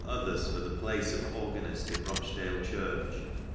Others for the place of organist in Rochdale church.